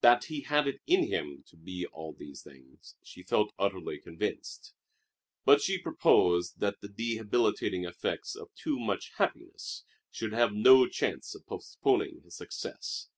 That he had it in him to be all these things she felt utterly convinced; but she proposed that the debilitating effects of too much happiness should have no chance of postponing his success.